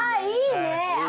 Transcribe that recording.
いいね！